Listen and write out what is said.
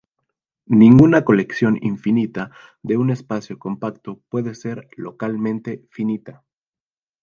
Ninguna colección infinita de un espacio compacto puede ser localmente finita.